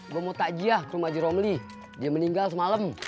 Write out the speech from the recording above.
gua mau takjiah ke maji romli dia meninggal semalam